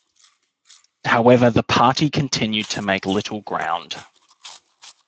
However the party continued to make little ground.